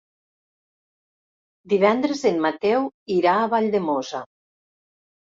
Divendres en Mateu irà a Valldemossa.